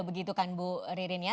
begitu kan bu ririn ya